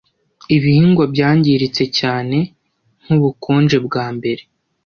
Ibihingwa byangiritse cyane nkubukonje bwambere.